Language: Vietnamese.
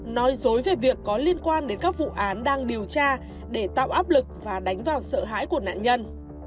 nói dối về việc có liên quan đến các vụ án đang điều tra để tạo áp lực và đánh vào sợ hãi của nạn nhân